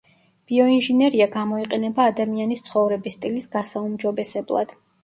ბიოინჟინერია გამოიყენება ადამიანის ცხოვრების სტილის გასაუმჯობესებლად.